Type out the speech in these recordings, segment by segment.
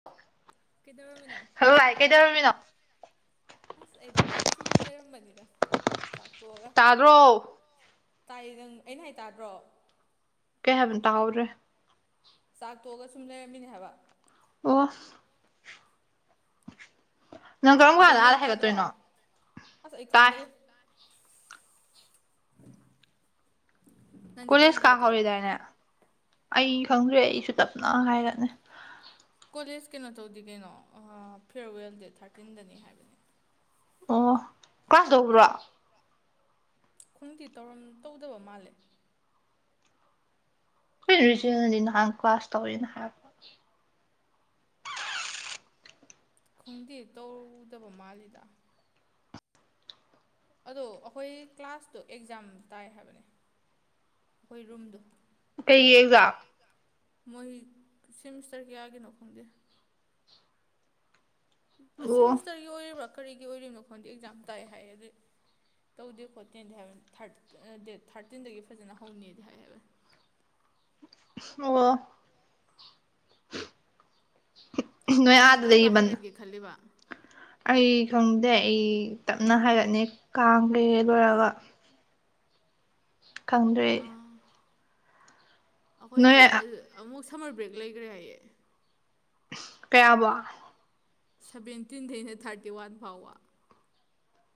hello ꯀꯩꯗꯧꯔꯝꯃꯤꯅꯣ ꯑꯁ ꯑꯩꯗꯣ ꯁꯨꯝ ꯂꯩꯔꯝꯕꯅꯤꯗ ꯆꯥꯛꯇꯣꯛꯑꯒ ꯇꯕꯔꯣ ꯇꯥꯏꯌꯦ ꯅꯪ ꯑꯩꯅ ꯍꯥꯏ ꯇꯥꯗ꯭ꯔꯣ ꯀꯩ ꯍꯥꯏꯕ ꯇꯥꯍꯧꯗꯔꯦ ꯆꯥꯛ ꯇꯣꯛꯑꯒ ꯁꯨꯝ ꯂꯩꯔꯝꯃꯤꯅꯦ ꯍꯥꯏꯕ ꯑꯣꯐ ꯑꯗꯨꯣꯝ ꯅꯣꯡ ꯇꯥꯗ꯭ꯔꯣ ꯑꯁ ꯑꯩ ꯈꯪꯗꯔꯤ ꯅꯪꯗꯤ ꯀꯔꯝꯀꯥꯟ ꯍꯥꯏꯒꯠꯇꯣꯏꯕ ꯑꯩ ꯈꯪꯗ꯭ꯔꯤ ꯑꯩꯁꯨ ꯇꯞꯅ ꯍꯥꯏꯔꯅꯤ ꯀꯣꯂꯦꯖ ꯀꯩꯅꯣ ꯇꯧꯗꯤ ꯀꯩꯅꯣ ꯐꯤꯌꯔꯋꯦꯜ ꯗꯦꯠ ꯊꯥꯔꯇꯤꯟꯗꯅꯤ ꯍꯥꯏꯕꯅꯤ ꯑꯣ ꯀꯂꯥꯁ ꯇꯧꯕ꯭ꯔꯣ ꯈꯡꯇꯦ ꯇꯧꯔꯝ ꯇꯧꯗꯕ ꯃꯥꯜꯂꯦ ꯑꯩꯈꯣꯏꯅ ꯔꯤꯖꯋꯦꯜꯅꯗꯤ ꯅꯍꯥꯟ ꯀ꯭ꯂꯥꯁ ꯇꯧꯋꯦ ꯍꯥꯏꯕ ꯈꯣꯡꯗꯦ ꯇꯧꯗꯕ ꯃꯥꯜꯂꯤꯗ ꯑꯗꯣ ꯑꯩꯈꯣꯏ ꯀ꯭ꯂꯥꯁꯇꯣ ꯑꯦꯛꯖꯥꯝ ꯇꯥꯏ ꯍꯥꯏꯕꯅꯦ ꯈꯣꯏ ꯔꯨꯝꯗꯣ ꯃꯣꯏ ꯁꯦꯃꯤꯁꯇꯔ ꯀꯌꯥꯒꯤꯅꯣ ꯈꯪꯗꯦ ꯁꯦꯃꯤꯁꯇꯔꯒꯤ ꯑꯣꯏꯔꯤꯕ꯭ꯔꯥ ꯀꯔꯤꯒꯤ ꯑꯣꯏꯔꯤꯕꯅꯣ ꯈꯪꯗꯦ ꯑꯦꯛꯖꯥꯝ ꯇꯥꯏ ꯍꯥꯏꯌꯦ ꯑꯗꯨꯏ ꯇꯧꯗꯦ ꯈꯣꯠꯇꯦꯗꯤ ꯍꯥꯏꯕꯅꯤ ꯊꯥꯔꯠ ꯗꯦꯠ ꯊꯥꯔꯇꯤꯟꯗꯒꯤ ꯐꯖꯅ ꯍꯧꯅꯤꯗꯤ ꯍꯥꯏ ꯍꯥꯏꯕꯅꯤ ꯑꯣ ꯅꯪ ꯀꯔꯝꯀꯥꯟ ꯍꯥꯏꯒꯠꯀꯦ ꯈꯜꯂꯤꯕ ꯑꯩ ꯈꯪꯗꯦ ꯑꯩ ꯇꯞꯅ ꯍꯥꯏꯒꯠꯅꯤ ꯀꯥꯡ ꯂꯣꯏꯔꯒ ꯈꯪꯗ꯭ꯔꯦ ꯑꯩꯈꯣꯏꯗꯤ ꯑꯃꯨꯛ ꯁꯝꯃꯔ ꯕ꯭ꯔꯦꯛ ꯂꯩꯈ꯭ꯔꯦ ꯍꯥꯏꯌꯦ ꯀꯌꯥꯕꯨ ꯁꯕꯦꯟꯇꯤꯟꯗꯩꯅ ꯊꯥꯔꯇꯤ ꯋꯥꯟ ꯐꯥꯎꯕ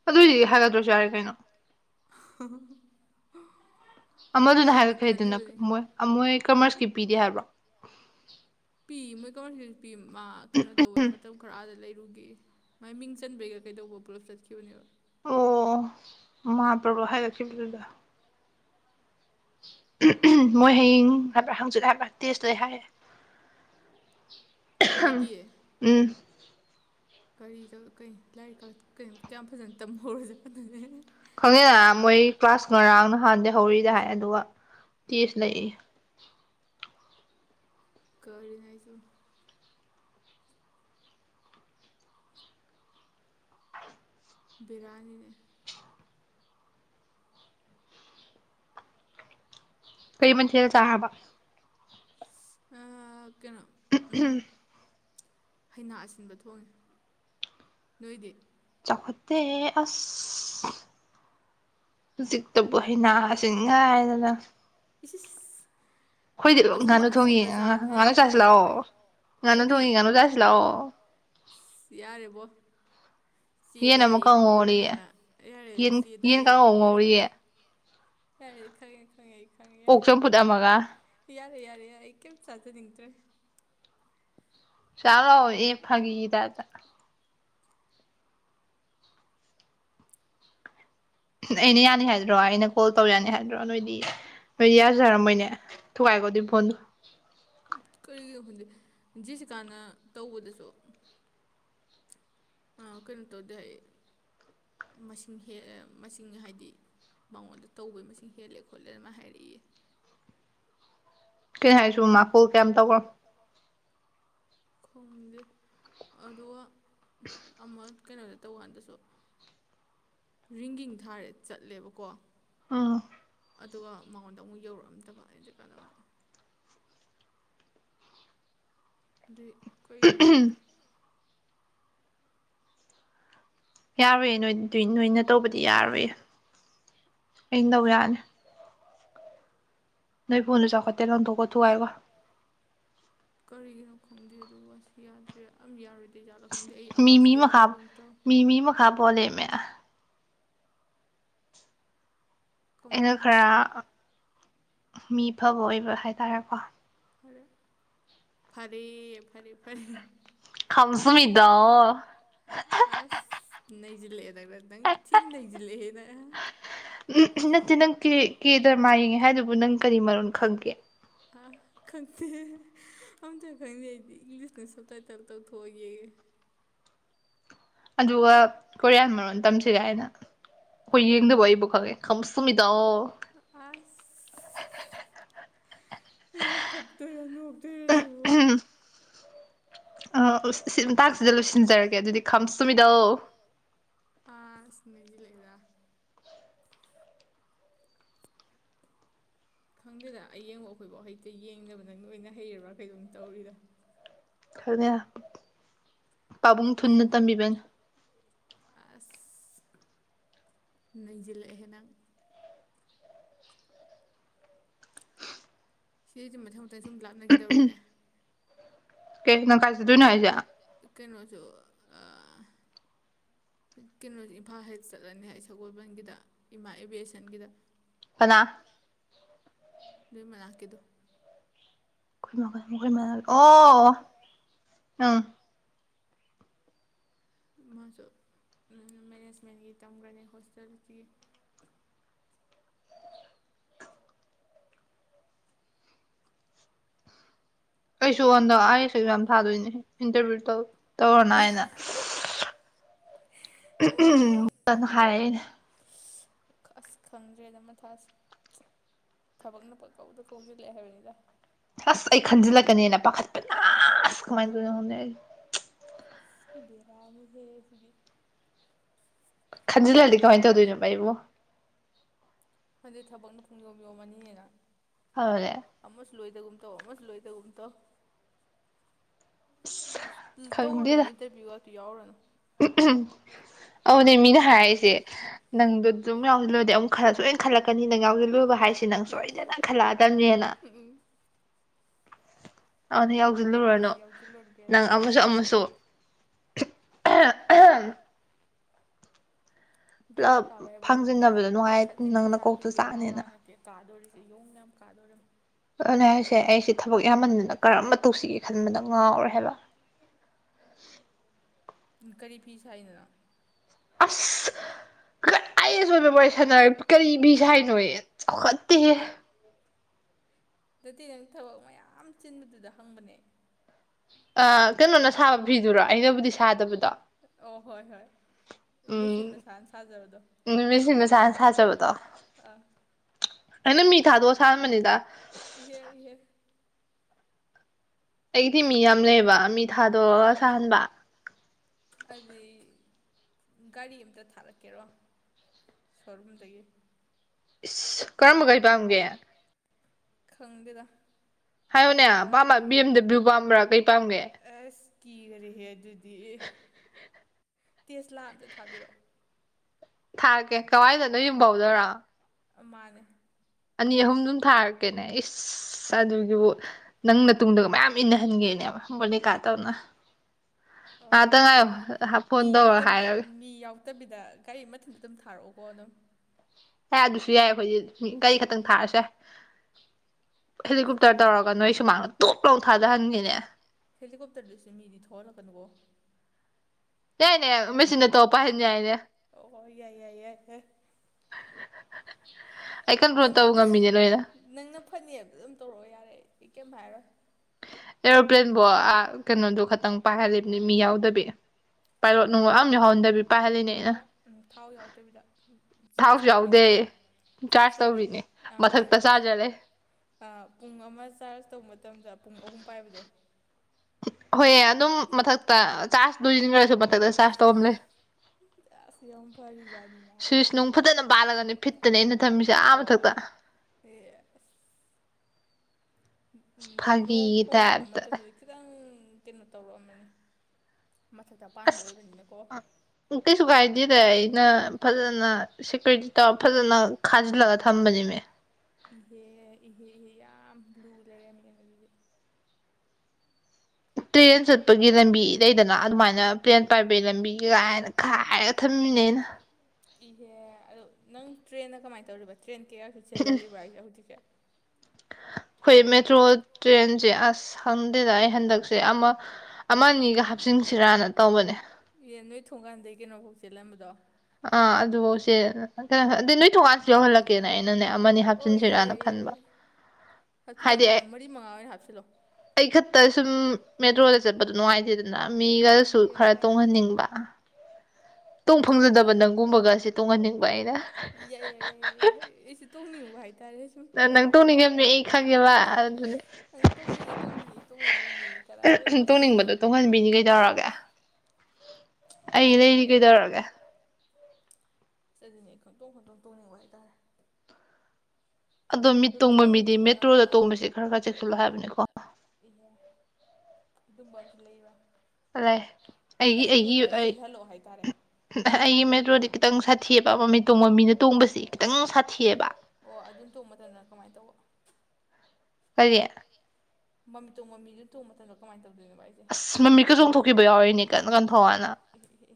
ꯑꯗꯨ ꯑꯣꯏꯗꯤ ꯑꯗꯨꯏꯗꯤ ꯍꯥꯏꯅꯗ꯭ꯔꯁꯨ ꯌꯥꯔꯦ ꯀꯩꯅꯣ ꯑꯃꯗꯨꯅ ꯍꯥꯏꯔꯈꯦꯗꯅ ꯃꯣꯏ ꯃꯣꯏ ꯀꯃꯔꯁꯀꯤ ꯄꯤꯗꯦ ꯍꯥꯏꯕ꯭ꯔꯣ ꯄꯤ ꯃꯣꯏ [unintelligible] ꯄꯤ ꯃꯥ ꯀꯩꯅꯣ ꯇꯧꯋꯦ ꯃꯇꯝ ꯈꯔ ꯑꯥꯗ ꯂꯩꯔꯨꯒꯦꯌꯦ ꯃꯥꯏ ꯃꯤꯡ ꯆꯟꯕꯩꯒ ꯀꯩꯗꯧꯕ ꯄꯨꯂꯞ ꯆꯠꯈꯤꯕꯅꯦꯕ ꯃꯥ ꯄ꯭ꯔꯕꯞ ꯍꯥꯏꯒꯠꯈꯤꯕꯗꯨꯗꯥ ꯃꯣꯏ ꯍꯌꯦꯡ ꯍꯥꯏꯕꯔꯥ ꯍꯥꯡꯆꯤꯠ ꯍꯥꯏꯕꯔꯥ ꯇꯦꯁ ꯂꯩ ꯍꯥꯏ ꯎꯝ ꯀꯔꯤꯗ ꯀꯩ ꯂꯥꯏꯔꯤꯛꯀ ꯀꯌꯥꯝ ꯐꯖꯅ ꯇꯝꯍꯧꯔꯖ ꯑꯗꯨꯨꯅꯦ ꯈꯪꯗꯦ ꯅꯥ ꯃꯣꯏ ꯀ꯭ꯂꯥꯁ ꯉꯔꯥꯡ ꯅꯍꯥꯟꯗꯩ ꯍꯧꯔꯤꯗ ꯍꯥꯏ ꯑꯗꯨꯒ ꯇꯦꯁ ꯂꯩꯑꯌꯦ ꯀꯔꯤꯅꯣ ꯍꯥꯏꯁꯤꯕꯣ ꯕꯦꯔꯥꯅꯤꯅꯦ ꯀꯩ ꯃꯊꯦꯜ ꯆꯥꯔꯕ ꯑ ꯀꯩꯅꯣ ꯎꯝ ꯍꯩꯅꯥ ꯑꯁꯤꯟꯕ ꯊꯣꯡꯉꯦ ꯅꯣꯏꯗꯤ ꯆꯥꯎꯈꯠꯇꯦꯍꯦ ꯑꯁ ꯍꯧꯖꯛꯇꯕꯨ ꯍꯩꯅꯥ [unintelligible] ꯉꯥꯏꯗꯅ ꯏꯁ ꯏꯁ ꯑꯩꯈꯣꯏꯗꯤ ꯂ ꯉꯥꯅꯨ ꯊꯣꯡꯉꯤ ꯉꯥꯅꯨ ꯆꯥꯁꯤ ꯂꯥꯛꯑꯣ ꯉꯥꯅꯨ ꯊꯣꯡꯉꯤ ꯉꯥꯅꯨ ꯆꯥꯁꯤ ꯂꯥꯛꯑꯣ ꯏꯁ ꯌꯥꯔꯦꯕꯣ ꯆꯦꯗ ꯑꯌꯦꯛꯄ ꯑꯣꯏꯔꯝꯗꯅ ꯌꯥꯔꯦ ꯆꯦꯗ ꯑꯌꯦꯛꯄ ꯑꯣꯏꯔꯝꯒꯅꯤ ꯌꯥꯔꯦ ꯈꯪꯉꯦ ꯈꯪꯉꯦ ꯑꯩ ꯈꯪꯉꯦ ꯌꯥꯔꯦ ꯌꯥꯔꯦ ꯌꯥꯔꯦ ꯌꯥꯔꯦ ꯑꯩ ꯀꯩꯝ ꯆꯥꯖꯅꯤꯡꯗ꯭ꯔꯦ ꯆꯥꯂꯥꯛꯑꯣ ꯑꯦ ꯐꯒꯤꯒꯤ ꯇꯥꯏꯞꯇ ꯑꯩꯅ ꯌꯥꯅꯤ ꯍꯥꯏꯗ꯭ꯔꯣ ꯑꯩꯅ ꯀꯣꯜ ꯇꯧ ꯌꯥꯅꯤ ꯍꯥꯏꯗ꯭ꯔꯣ ꯅꯣꯏꯗꯤ ꯅꯣꯏꯗꯤ ꯌꯥꯖꯔꯝꯃꯣꯏꯅꯦ ꯊꯨꯒꯥꯏꯒꯣ ꯑꯗꯨꯏ ꯐꯣꯟꯗꯣ ꯀꯔꯤꯒꯤꯅꯣ ꯈꯪꯗꯦ ꯖꯤꯁꯤꯀꯥꯅ ꯇꯧꯕꯗꯁꯨ ꯀꯩꯅꯣ ꯇꯧꯗꯦ ꯍꯥꯏ ꯃꯁꯤꯡ ꯍꯦꯜꯂꯦ ꯃꯁꯤꯡ ꯍꯥꯏꯗꯤ ꯃꯉꯣꯟꯗ ꯇꯧꯕꯩ ꯃꯁꯤꯡ ꯍꯦꯜꯂꯦ ꯈꯣꯠꯂꯦ ꯑꯃꯥꯏ ꯍꯥꯏꯔꯛꯑꯦꯌꯦ ꯀꯩꯅꯣ ꯍꯥꯏꯁꯤꯕꯣ ꯃꯥ ꯀꯣꯜ ꯀꯌꯥꯝ ꯇꯧꯒꯔ꯭ꯝ ꯈꯪꯗꯦ ꯑꯗꯨꯒ ꯑꯃ ꯀꯩꯅꯣꯗ ꯇꯧꯀꯥꯟꯗꯁꯨ ꯔꯤꯡꯒꯤꯡ ꯊꯥꯔꯦ ꯆꯠꯂꯦꯕꯀꯣ ꯑꯥ ꯑꯗꯨꯒ ꯃꯉꯣꯟꯗ ꯑꯃꯨꯛ ꯌꯧꯔꯛꯑꯝꯗꯕ ꯑꯩꯅ ꯆꯠꯀꯥꯟꯗ ꯑꯃꯨꯛ ꯑꯗꯨꯏ ꯀꯩꯒꯤꯅꯣ ꯈꯪꯗꯦ ꯌꯥꯔꯣꯏꯌꯦ ꯅꯣꯏ ꯗꯨꯏ ꯅꯣꯏꯅ ꯇꯧꯕꯗꯤ ꯌꯥꯔꯣꯏꯌꯦ ꯑꯩꯅ ꯇꯧꯕ ꯌꯥꯅꯤ ꯅꯣꯏ ꯐꯣꯟꯗꯣ ꯆꯥꯎꯈꯠꯇꯦ ꯂꯪꯊꯣꯛꯀꯣ ꯊꯨꯒꯥꯏꯒꯣ ꯀꯔꯤꯒꯤꯅꯣ ꯈꯪꯗꯦ ꯑꯗꯨ ꯋꯥꯁ ꯌꯥꯗ꯭ꯔꯦ ꯑꯝ ꯌꯥꯔꯣꯏꯗꯣꯏ ꯖꯥꯂ ꯈꯪꯗꯦ ꯑꯩ ꯑꯃꯁꯨ ꯌꯥꯗꯒꯨꯝ ꯇꯧ ꯍꯥꯞꯕꯣꯂꯦꯃꯦ ꯑꯩꯅ ꯈꯔ ꯃꯤ ꯐꯕ ꯑꯣꯏꯕ ꯍꯥꯏꯇꯥꯔꯦꯀꯣ ꯐꯔꯦ ꯐꯔꯦ ꯐꯔꯦ ꯐꯔꯦ ꯈꯝꯁꯃꯤꯗ ꯑꯁ ꯅꯩꯖꯤꯜꯂꯑꯦ ꯅꯪꯅ ꯅꯪ ꯊꯤꯟ ꯅꯖꯤꯜꯂꯦꯍꯦ ꯅꯪ ꯅꯠꯇꯦ ꯅꯪ ꯀꯦ ꯀꯦ ꯗꯔꯃꯥ ꯌꯦꯡꯉꯦ ꯍꯥꯏꯗꯨꯕꯨ ꯅꯪ ꯀꯔꯤ ꯃꯔꯣꯟ ꯈꯪꯒꯦ ꯑꯥ ꯈꯪꯇꯦ ꯑꯝꯇ ꯈꯪꯗꯦ ꯑꯩꯗꯤ ꯏꯪꯂꯤꯁꯇ ꯁꯞ ꯇꯥꯏꯇꯜ ꯇꯧꯊꯣꯛꯑ ꯌꯦꯡꯉꯦ ꯑꯗꯨꯒ ꯀꯣꯔꯤꯌꯥꯟ ꯃꯔꯣꯟ ꯇꯝꯁꯦ ꯒꯥꯏꯅ ꯍꯣꯏ ꯌꯦꯡꯗꯕ ꯑꯩꯕꯧ ꯈꯪꯉꯦ ꯈꯝꯁꯃꯤꯗꯥ ꯑꯁ ꯑꯩꯕꯨ ꯀꯞꯇꯣꯏꯔꯥ ꯅꯣꯛꯇꯣꯏꯔ ꯁꯤꯕꯨ ꯑ ꯎꯁ ꯁꯤ ꯇꯥꯛꯁꯤꯗ ꯂꯣꯏꯁꯤꯟꯖꯔꯒꯦ ꯑꯗꯨꯗꯤ ꯈꯝꯁꯃꯤꯗ ꯑꯥꯁ ꯅꯩꯖꯤꯜꯂꯑꯦꯗ ꯈꯪꯗꯦꯗ ꯑꯌꯦꯡꯕ ꯑꯈꯣꯏꯕꯧ ꯍꯩꯇꯦ ꯌꯦꯡꯗꯕ ꯅꯪꯅ ꯑꯣꯏꯅ ꯍꯩꯔꯕ꯭ꯔꯥ ꯀꯩꯅꯣꯝ ꯇꯧꯔꯤꯗ ꯈꯪꯗꯦ ꯄꯥꯕꯨꯡ [unintelligible] ꯇꯝꯕꯤꯕꯅꯤ ꯑꯁ ꯅꯩꯖꯤꯜꯂꯦꯑꯦꯍꯦ ꯅꯪ ꯁꯤꯗꯩꯗꯤ ꯃꯊꯪ ꯃꯊꯪ ꯁꯨꯝ ꯂꯥꯞꯅꯒꯤꯗꯧꯔꯦꯅꯦ ꯀꯩ ꯅꯪ ꯀꯥꯏꯖ ꯆꯠꯇꯣꯏꯅꯣ ꯍꯥꯏꯖ ꯀꯩꯅꯃꯣꯁꯨ ꯀꯩꯅꯣꯁꯤ ꯏꯝꯐꯥꯜ ꯍꯦ ꯆꯠꯂꯅꯤ ꯑꯩ ꯁꯒꯣꯜꯕꯟꯒꯤꯗ ꯏꯃꯥ ꯏꯕꯦꯁꯟꯒꯤꯗ ꯀꯅꯥ ꯅꯣꯏ ꯃ ꯂꯅꯥꯛꯀꯤꯦꯗꯣ ꯑꯣ ꯎꯝ ꯃꯥꯁꯨ ꯃꯦꯅꯦꯖꯃꯦꯟꯒꯤ ꯇꯝꯈ꯭ꯔꯅꯤ ꯍꯣꯁꯄꯤꯇꯥꯦꯂꯤꯇꯤꯒꯤ ꯑꯩꯁꯨ ꯍꯟꯗꯛ ꯑꯥꯏꯁ ꯑꯦꯛꯖꯥꯝ ꯊꯥꯗꯣꯏꯅꯦ ꯏꯟꯇꯔꯚꯌꯨ ꯇꯧ ꯇꯧꯔꯅꯥ ꯍꯥꯏꯅ ꯎꯝ [unintelligible] ꯍꯥꯏꯔꯤꯅꯦ ꯈꯪꯗ꯭ꯔꯦꯗ ꯃꯊꯥꯁꯦ ꯊꯕꯛꯅ ꯄꯪꯀꯧꯗ ꯀꯧꯖꯤꯜꯂꯦ ꯍꯥꯏꯕꯅꯤꯗ ꯑꯁ ꯑꯩ ꯈꯟꯖꯤꯜꯂꯛꯀꯅꯦꯅ ꯄꯥꯈꯠꯄꯅ ꯑꯁ ꯀꯃꯥꯏ ꯇꯧꯗꯣꯏꯅꯣ ꯈꯪꯗꯦ ꯑꯩ ꯕꯦꯔꯥꯅꯤꯍꯦ ꯁꯤꯗꯤ ꯈꯟꯖꯤꯜꯂꯗꯤ ꯀꯃꯥꯏ ꯇꯧꯗꯣꯏꯅꯣꯕ ꯑꯩꯕꯨ ꯍꯧꯖꯤꯛ ꯊꯕꯛꯅ ꯄꯨꯡꯌꯣꯝ ꯌꯣꯝꯃꯅꯤꯍꯦ ꯅꯪ [unintelligible] ꯑꯃꯁꯨ ꯂꯣꯏꯗꯒꯨꯝ ꯇꯧ ꯑꯃꯁꯨ ꯂꯣꯏꯗꯒꯨꯝ ꯇꯧ ꯑꯁ ꯇꯧꯔꯨꯨꯔꯅꯅꯦ ꯏꯟꯇꯔꯚꯤꯌꯨꯒ ꯑꯗꯨ ꯌꯥꯎꯔꯅꯨ ꯎꯝ [unintelligible] ꯑꯗꯨꯅꯦ ꯃꯤꯅ ꯍꯥꯏꯔꯤꯁꯦ ꯅꯪꯗꯣ ꯑꯗꯨꯝ ꯌꯥꯎꯁꯤꯜꯂꯨꯔꯗꯦ ꯑꯃꯨꯛ ꯈꯔ ꯁꯣꯏꯅ ꯈꯜꯂꯛꯀꯅꯤ ꯅꯪ ꯌꯥꯎꯁꯤꯜꯂꯨꯕ ꯍꯥꯏꯁꯦ ꯁꯤ ꯅꯪ ꯁꯣꯏꯗꯅ ꯈꯜꯂꯛꯑꯗꯕꯅꯦꯅ ꯑꯗ ꯌꯥꯎꯁꯤꯜꯂꯨꯔꯅꯨ ꯅꯪ ꯑꯃꯁꯨ ꯑꯃꯁꯨ [unintelligible] ꯕꯦꯔ ꯀꯥꯕ ꯍꯥꯏꯕꯨ ꯈꯖꯤꯛ ꯈꯖꯥꯛꯀꯤ ꯕꯦꯔꯒ ꯅꯠꯇꯦ ꯀꯥꯗꯣꯔꯤꯁꯦ ꯌꯣꯡ ꯌꯥꯝ ꯀꯥꯗꯣꯔꯤꯕ ꯑꯗꯨꯅ ꯍꯥꯏꯁꯦ ꯑꯩꯁꯦ ꯊꯕꯛ ꯌꯥꯝꯃꯟꯗꯅ ꯀꯔꯝꯕ ꯇꯧꯁꯤꯒꯦ ꯈꯟꯕꯗ ꯉꯥꯎꯔꯦ ꯍꯥꯏꯕ ꯀꯔꯤ ꯐꯤ ꯁꯥꯏꯅꯣ ꯑꯁ [unintelligible] ꯐꯖꯔꯦ ꯀꯔꯤ ꯐꯤ ꯁꯥꯔꯤꯅꯣꯌꯦ ꯆꯥꯎꯈꯠꯇꯦꯍꯦ ꯅꯠꯇꯦ ꯅꯪ ꯊꯕꯛ ꯃꯌꯥꯝ ꯆꯤꯟꯕꯗꯨꯗ ꯍꯪꯕꯅꯦ ꯑ ꯀꯩꯅꯣꯅ ꯁꯥꯕ ꯄꯤꯗꯨꯔꯣ ꯑꯩꯅꯕꯨꯗꯤ ꯁꯗꯦ ꯑꯧ ꯍꯣꯏ ꯍꯣꯏ ꯃꯦꯆꯤꯟ ꯃꯁꯥꯅ ꯁꯥꯖꯕꯗꯣ ꯑ ꯑꯩꯅ ꯃꯤ ꯊꯥꯗꯣꯛꯑꯣ ꯁꯥꯍꯟꯕꯥꯅꯤꯗ ꯏꯍꯦ ꯏꯍꯦ ꯑꯩꯗꯤ ꯃꯤ ꯌꯥꯝ ꯂꯩꯕ ꯃꯤ ꯊꯥꯗꯣꯛꯒ ꯁꯥꯍꯟꯕ ꯑꯗꯨꯗꯤ ꯒꯥꯔꯤ ꯑꯝꯇ ꯊꯥꯔꯛꯀꯦꯔꯣ ꯁꯣꯔꯨꯝꯗꯒꯤ ꯏꯁ ꯀꯔꯝꯕ ꯒꯔꯤ ꯄꯥꯝꯒꯦ ꯈꯪꯗꯦꯗ ꯈꯔ ꯑꯁ ꯀꯤꯈꯔꯦꯍꯦ ꯑꯗꯨꯗꯤ ꯇꯦꯁꯂꯥ ꯑꯝꯇ ꯊꯥꯕꯤꯔꯛꯑꯣ ꯊꯥꯔꯛꯀꯦ ꯀꯋꯥꯏꯗꯣ ꯅꯣ ꯌꯨꯝꯐꯧꯗꯣꯏꯔꯣ ꯃꯥꯅꯦ ꯑꯅꯤ ꯑꯍꯨꯝ ꯑꯗꯨꯝ ꯊꯥꯔꯛꯀꯦꯅꯦ ꯏꯁ ꯑꯗꯨꯒꯤꯕꯨ ꯅꯪꯅ ꯇꯨꯡꯗꯒ ꯃꯌꯥꯝ ꯏꯟꯅꯍꯟꯒꯦꯅꯦꯕ ꯕꯣꯂꯤꯀꯥ ꯇꯧꯅ ꯑ ꯃꯤ ꯌꯥꯎꯗꯕꯤꯗ ꯃꯤ ꯌꯥꯎ ꯐꯠꯇꯕꯤꯗ ꯒꯥꯔꯤ ꯃꯊꯤꯟꯇ ꯑꯗꯨꯝ ꯊꯥꯔꯛꯑꯣꯀꯣ ꯑꯗꯨꯝ ꯌꯥ ꯑꯗꯨꯁꯨ ꯌꯥꯏ ꯑꯩꯈꯣꯏꯒꯤ ꯒꯥꯔꯤ ꯈꯛꯇꯪ ꯊꯥꯔꯁꯦ ꯍꯦꯂꯤꯀꯣꯞꯇꯔ ꯇꯧꯔꯒ ꯅꯣꯏ ꯁꯨꯃꯥꯡꯅ ꯇꯣꯞꯂꯥꯎ ꯊꯥꯗꯍꯟꯒꯦꯅꯦ ꯍꯦꯂꯤꯀꯣꯞꯇꯔꯗꯨꯁꯨ ꯃꯤꯗꯤ ꯊꯣꯛꯍꯜꯂꯛꯀꯅꯨꯕꯣ ꯌꯥꯅꯦ ꯃ ꯇ ꯑꯣ ꯌꯥꯏ ꯌꯥꯏ ꯌꯥꯏ [unintelligible] ꯅꯪ ꯅꯪꯅ ꯐꯅꯤ ꯍꯥꯏꯕꯗꯨ ꯑꯗꯨꯝ ꯇꯧꯔꯛꯑꯣ ꯌꯥꯔꯦ ꯑꯩ ꯀꯩꯝ ꯍꯥꯏꯔꯣꯏ ꯑꯦꯔꯣꯄ꯭ꯂꯦꯟꯕꯣ ꯑ ꯀꯩꯅꯣꯗꯣ ꯈꯇꯪ ꯄꯥꯏꯍꯜꯂꯤꯕꯅꯤ ꯃꯤ ꯌꯥꯎꯗꯕꯤ ꯐꯔꯦ ꯐꯔꯦ ꯊꯥꯎ ꯌꯥꯎꯗꯕꯤꯗ ꯆꯥꫪꯖ ꯇꯧꯕꯤ ꯅꯠꯇ꯭ꯔꯣ ꯆꯥꫪꯖ ꯇꯧꯕꯤ ꯑ ꯄꯨꯡ [unintelligible] ꯄꯨꯡ ꯑꯃ ꯆꯥꫪꯖ ꯇꯧꯕ ꯃꯇꯝꯗ ꯄꯨꯡ ꯑꯍꯨꯝ ꯄꯥꯏꯕꯗꯣ ꯍꯣꯏ ꯑꯗꯨꯝ ꯃꯊꯛꯇ ꯆꯥꫪꯖ ꯂꯣꯏꯁꯤꯟꯈ꯭ꯔꯁꯨ ꯃꯊꯛꯇ ꯆꯥꯖ ꯇꯧꯕꯝꯂꯩ ꯁ꯭ꯋꯤꯁ ꯅꯨꯡ ꯐꯖꯅ ꯄꯥꯜꯂꯒꯅꯤ ꯐꯤꯠꯇꯅꯦ ꯑꯩꯅ ꯊꯝꯃꯤꯁꯦ ꯑꯥ ꯃꯊꯛꯇ ꯍ [unintelligible] ꯅꯣꯡ ꯍꯣꯡꯉꯛꯄ ꯃꯇꯝꯗꯗꯤ ꯈꯤꯇꯪ ꯀꯩꯅꯣ ꯇꯧꯔꯛꯑꯝꯃꯅꯤ ꯃꯊꯛꯇ ꯑ ꯑꯣꯏꯕꯅꯤꯅꯀꯣ ꯀꯩꯁꯨ ꯀꯥꯏꯗꯦꯗ ꯑꯩꯅ ꯐꯖꯅ ꯁꯦꯀ꯭ꯌꯨꯔꯤꯇꯤ ꯇꯧꯔ ꯐꯖꯅ ꯈꯥꯖꯤꯜꯂꯒ ꯊꯝꯕꯅꯤꯃꯦ ꯏꯍꯦꯦ ꯏꯍꯦ ꯏꯍꯦ ꯌꯥꯝ ꯂꯨ ꯂꯩꯔꯝꯃꯤꯅ ꯑꯗꯨꯗꯤ ꯇ꯭ꯔꯦꯟ ꯆꯠꯄꯒꯤ ꯂꯝꯕꯤ ꯂꯩꯗꯅ ꯑꯗꯨꯃꯥꯏꯅ ꯄ꯭ꯂꯦꯟ ꯄꯥꯏꯕꯒꯤ ꯂꯝꯕꯤꯒꯤ ꯀꯥꯏꯅ ꯈꯥꯏꯔꯒ ꯊꯝꯃꯤꯅꯦ ꯑꯩꯅ ꯏꯍꯦ ꯑꯗꯣ ꯅꯪ ꯇ꯭ꯔꯦꯟꯅ ꯀꯃꯥꯏꯅ ꯇꯧꯔꯤꯕ ꯇ꯭ꯔꯦꯟ ꯀꯩꯀꯁꯨ ꯆꯦꯜꯍꯜꯂꯤꯕ꯭ꯔ ꯍꯥꯏꯁꯦ ꯍꯧꯖꯤꯛꯁꯦ ꯑꯩꯈꯣꯏ ꯃꯦꯇ꯭ꯔꯣ ꯇ꯭ꯔꯦꯟꯁꯦ ꯑꯁ ꯈꯪꯗꯦꯗ ꯑꯩ ꯍꯟꯗꯛꯁꯦ ꯑꯃ ꯑꯃꯥ ꯅꯤꯡꯒ ꯍꯞ ꯆꯤꯡꯁꯤꯔꯅ [unintelligible] ꯅꯣꯏ ꯊꯣꯡꯒꯥꯟꯗꯒꯩ ꯀꯩꯅꯣꯐꯧ ꯆꯦꯜꯂꯝꯕꯗꯣ ꯑꯥ ꯑꯗꯨꯐꯧꯁꯦ ꯑꯗꯨ ꯅꯣꯏ ꯊꫭꯉꯥꯟ ꯌꯧꯍꯜꯂꯛꯀꯦꯅꯦ ꯑꯩꯅꯅꯦ ꯑꯃꯅꯤ ꯍꯥꯞꯆꯤꯟꯁꯤꯔꯥꯅ ꯈꯟꯕ ꯍꯥꯏꯗꯤ ꯑꯩ ꯑꯩ ꯈꯛꯇ ꯁꯨꯝ ꯃꯦꯇ꯭ꯔꯣꯗ ꯆꯠꯄꯗꯣ ꯅꯨꯡꯉꯥꯏꯇꯦꯗꯅ ꯃꯤꯒꯁꯨ ꯈꯔ ꯇꯣꯡꯍꯟꯅꯤꯡꯕ ꯌꯥꯏꯌꯦ ꯌꯥꯏ ꯌꯥꯏ ꯌꯥꯏꯌꯦ ꯑꯩꯁꯨ ꯇꯣꯡꯅꯤꯡꯕ ꯍꯥꯏꯇꯥꯔꯦ [unintelligible] ꯅꯪ ꯇꯣꯛꯅꯤꯡꯉꯦ ꯇꯣꯡꯅꯤꯡꯉꯦ ꯇꯣꯛꯅꯤꯡꯉꯤꯃꯤꯅꯤꯅꯦ ꯀꯔꯥꯏꯗꯩ ꯑꯁ ꯇꫭꯡꯍꯟꯕꯤꯅꯤ ꯀꯩꯗꯧꯔꯒꯦ ꯑꯩ ꯂꯩꯔꯤ ꯀꯩꯗꯧꯔꯒꯦ ꯑꯗꯨꯅꯦ ꯈꯣꯟꯇꯣꯡ ꯈꯣꯟꯇꯣꯡ ꯇꯣꯡꯅꯤꯡꯕ ꯍꯥꯏꯇꯥꯔꯦ ꯑꯗꯣ ꯃꯤꯠ ꯇꯣꯡꯕ ꯃꯤꯗꯤ ꯃꯦꯇ꯭ꯔꯣꯗ ꯇꯣꯡꯕꯁꯤ ꯈꯔ ꯈꯔ ꯆꯦꯛꯁꯤꯜꯂꯣ ꯍꯥꯏꯕꯅꯤꯀꯣ ꯏꯍꯦ ꯑꯗꯨꯝꯕ ꯑꯃꯁꯨ ꯂꯩꯕ꯭ꯔ ꯑꯗꯨ ꯑꯩꯒꯤ ꯑꯩꯒꯤ ꯑꯩ ꯑꯩꯒꯤ ꯃꯦꯇ꯭ꯔꯣꯗꯤ ꯈꯤꯇꯪ ꯁꯥꯊꯤꯌꯦꯕ ꯃꯃꯤꯠ ꯇꯣꯡꯕ ꯃꯤꯅ ꯇꯣꯡꯕꯁꯤ ꯈꯤꯇꯪ ꯁꯥꯊꯤꯌꯦꯕ ꯑꯣ ꯑꯗꯨꯅ ꯇꯣꯡ ꯃꯇꯝꯗ ꯀꯃꯥꯏꯅ ꯇꯧꯕ ꯀꯔꯤ [unintelligible] ꯃꯃꯤꯠ ꯇꫭꯡꯕ ꯃꯤꯗꯨ ꯇꯣꯡꯕ ꯃꯇꯝꯗ ꯀꯃꯥꯏꯅ ꯇꯧꯗꯣꯏꯅꯣꯕ ꯂꯩ ꯑꯩ ꯑꯁ ꯃꯃꯤꯠꯀ ꯆꯣꯡꯊꯣꯛꯈꯤꯕ ꯌꯥꯎꯔꯤꯅꯤ ꯀꯟ ꯀꯥꯟ ꯊꯧꯒꯥꯟꯅ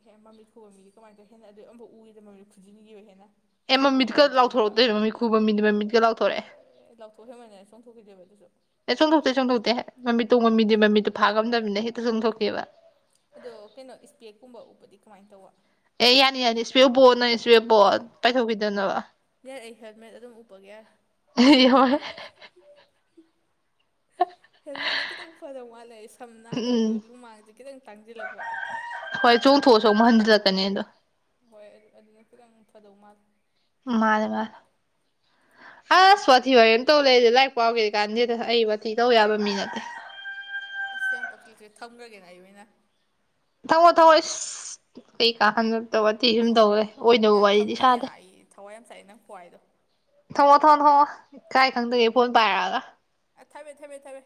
ꯑꯦꯍꯦ ꯃꯃꯤꯠ ꯈꯨꯕ ꯃꯤꯗꯤ ꯀꯃꯥꯏ ꯇꯧꯋꯦ ꯍꯦꯟꯅ ꯑꯗꯨꯗꯤ ꯑꯝꯐꯥꯎ ꯎꯈꯤꯒꯗ ꯃꯃꯤꯠ ꯈꯨꯟꯖꯤꯟꯈꯤꯕ ꯍꯦꯟꯅ ꯑꯝꯕꯨꯛ ꯎꯗ ꯃꯃꯤꯠ ꯇꯥꯡꯒꯤꯕ ꯑꯦ ꯂꯥꯎꯊꯣꯛ ꯍꯦꯃꯟꯅ ꯆꯣꯡꯊꯣꯛꯈꯤꯗꫭꯏꯕ ꯑꯗꯨꯁꯨ ꯑꯦ ꯆꯣꯡꯊꯣꯛꯇꯦ ꯆꯣꯡꯊꯣꯛꯇꯦ ꯃꯃꯤꯠ ꯇꯣꯡꯕ ꯃꯤꯗꯤ ꯃꯃꯤꯠꯇꯨ ꯐꯥꯉꯝꯗꯕꯃꯤꯅ ꯍꯦꯛꯇ ꯆꯣꯡꯊꯣꯛꯈꯤꯕ ꯑꯗꯣ ꯀꯩꯅꯣ ꯏꯁ꯭ꯄꯦꯛꯀꯨꯝꯕ ꯎꯞꯄꯗꯤ ꯀꯃꯥꯏꯅ ꯇꯧꯕ ꯑꯦ ꯌꯥꯅꯤ ꯌꯥꯅꯤ ꯏꯁ꯭ꯄꯦꯛ ꯎꯞꯄꯣ ꯅꯣꯏ ꯏꯁ꯭ꯄꯦꯛ ꯎꯞꯄꯣ ꯄꯥꯏꯊꯣꯛꯈꯤꯗꯅꯕ ꯌꯥꯔꯦ ꯑꯩ ꯍꯦꯜꯃꯦꯠ ꯑꯗꯨꯝ ꯎꯞꯄꯒꯦ ꯌꯥꯔꯦ [unintelligible] ꯍꯣꯏ ꯍꯦꯜꯃꯦꯠꯇ ꯈꯤꯇꯪ ꯐꯖ ꯋꯥꯠꯂꯦ ꯑꯩꯁ ꯁꯝ ꯅꯥꯗꫪꯁꯨ ꯂꯨꯃꯥꯡꯁꯦ ꯈꯤꯇꯪ ꯇꯥꯡꯁꯤꯜꯂꯛꯄ ꯑꯗꯨꯅ [unintelligible] ꯍꯣꯏ ꯑꯗꯨ ꯑꯗꯨꯅ ꯈꯤꯇꯪ ꯐꯗꯧ ꯃꯥꯜꯂꯤ ꯃꯥꯅꯦ ꯃꯥ ꯑꯁ ꯋꯥꯊꯤ ꯋꯥꯔꯦꯝ ꯇꯧ ꯂꯩꯔꯦ ꯂꯥꯏꯔꯤꯛ ꯄꯥꯎꯒꯦ ꯀꯥꯟꯗꯦꯗ ꯑꯩ ꯋꯥꯊꯤ ꯇꯧ ꯌꯥꯕ ꯃꯤ ꯅꯠꯇꯦ ꯑꯁ ꯌꯥꯝ ꯄꯛꯇꯦꯁꯦ ꯊꯝꯒ꯭ꯔꯒꯦꯅ ꯑꯩ ꯑꯣꯏꯅ [inaudible] [unintelligible] ꯊꯝꯈꯤꯒꯦꯅ ꯑꯩ ꯊꯋꯥꯏ ꯌꯥꯝ ꯆꯥꯛꯑꯦ ꯅꯪ ꯈ꯭ꯋꯥꯏꯗꯣ ꯊꯣꯡꯉꯣ ꯊꯣꯡꯉꯣ ꯊꯣꯡꯉꯣ ꯏꯀꯥꯏ ꯈꯪꯗꯒꯩ ꯐꯣꯟ ꯄꯥꯏꯔꯛꯑꯒ ꯑ ꯊꯃꯦ ꯊꯃꯦ ꯊꯃꯦ